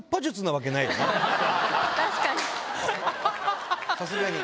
確かに。